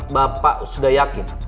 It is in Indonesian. bapak sudah yakin